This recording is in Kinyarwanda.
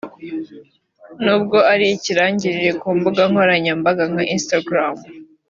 n’ubwo ari ikirangirire ku mbuga nkoranyambaga nka Instagram